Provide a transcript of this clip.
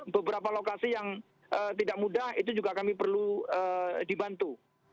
beberapa lokasi yang tidak mudah itu juga kami perlu dibantu